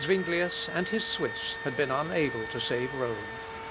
Zuinglius and his Swiss had been unable to save Rome.